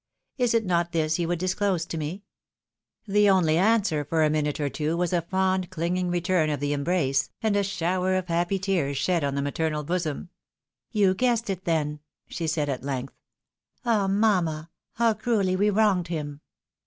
Is it not this you would disclose to me ?" The only answer for a minute or two was a fond clinging return of the embrace, and a shower of happy tears shed on the maternal bosom. " You guessed it, then ?" she said at length. " Ah, mamma ! how cruelly we wronged him